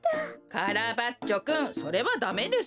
カラバッチョくんそれはダメです。